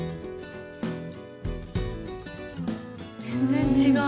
全然違う。